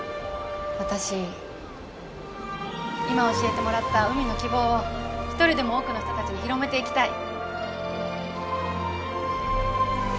私今教えてもらった海の希望を一人でも多くの人たちに広めていきたい。